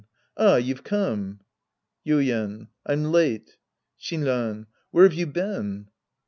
Ah, you've come. Yuien. I'm late. Shinran. Where've you been